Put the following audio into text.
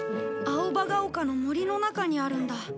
青葉ヶ丘の森の中にあるんだ。